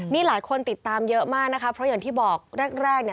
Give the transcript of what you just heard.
นี่หลายคนติดตามเยอะมากนะคะเพราะอย่างที่บอกแรกแรกเนี่ย